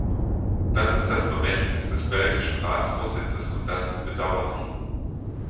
Das ist das Vermächtnis des belgischen Ratsvorsitzes, und das ist bedauerlich.